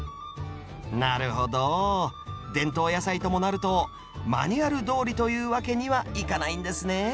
なるほど伝統野菜ともなるとマニュアルどおりというわけにはいかないんですね。